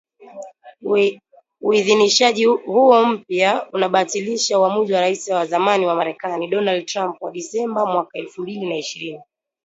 Uidhinishaji huo mpya unabatilisha uamuzi wa Rais wa zamani wa Marekani Donald Trump wa Disemba mwaka elfu mbili na ishirini